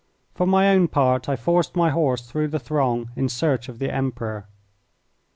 For my own part, I forced my horse through the throng in search of the Emperor.